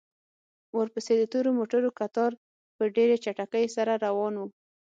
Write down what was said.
ورپسې د تورو موټرو کتار په ډېرې چټکۍ سره روان و.